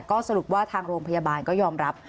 ก็สรุปว่าทางโรงพยาบาลก็ยอมรับ